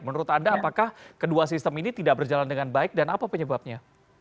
menurut anda apakah kedua sistem ini tidak berjalan dengan baik dan apa penyebabnya